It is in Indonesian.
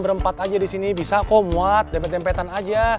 berempat aja di sini bisa kok muat dempet dempetan aja